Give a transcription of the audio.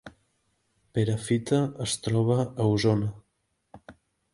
Perafita es troba a Osona